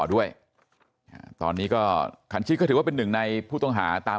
ด้วยตอนนี้ก็ขันชิดก็ถือว่าเป็นหนึ่งในผู้ต้องหาตาม